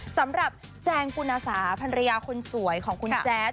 สำหรับแจงกุณศาภรรยาคนสวยของคุณแจ๊ด